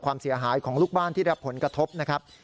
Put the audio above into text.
ความเสียหายของลูกบ้านที่รับผลกระทบนะครับ